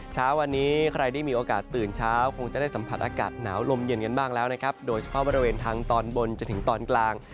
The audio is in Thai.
เช้าวันนี้ใครได้มีโอกาสตื่นเช้าคงจะได้สัมผัสอากาศหนาวลมเย็นกันบ้างแล้วนะครับโดยเฉพาะบริเวณทางตอนบนจนถึงตอนกลาง